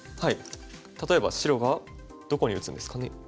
例えば白がどこに打つんですかね。